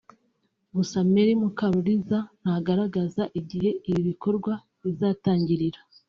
Gusa Meya Mukaruliza ntagaragaza igihe ibi bikorwa bizatangirira